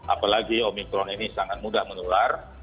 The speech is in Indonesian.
apalagi omikron ini sangat mudah menular